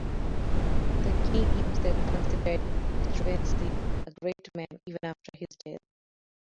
The King himself considered Struensee a great man, even after his death.